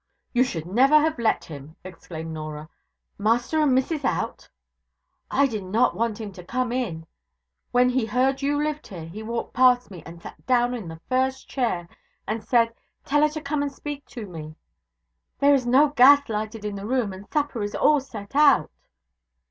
'You should never have let him,' exclaimed Norah. 'Master and missus out ' 'I did not want him to come in; but, when he heard you lived here, he walked past me, and sat down on the first chair, and said, "Tell her to come and speak to me." There is no gas lighted in the room, and supper is all set out.'